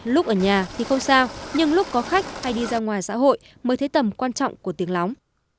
lúc ở nhà thì không sao nhưng lúc có khách hay đi ra ngoài xã hội mới thấy tầm quan trọng của tiếng lóng